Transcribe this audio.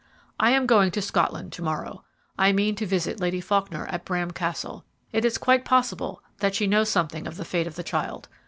"I am going to Scotland to morrow. I mean to visit Lady Faulkner at Bram Castle. It is quite possible that she knows something of the fate of the child.